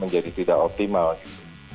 jadi tidak optimal gitu